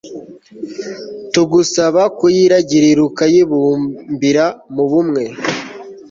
tugusaba kuyiragirir'ukayibumbira mu bumwe